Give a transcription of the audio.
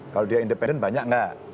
kalau dia independen banyak nggak